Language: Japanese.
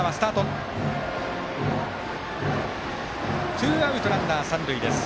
ツーアウトランナー、三塁です。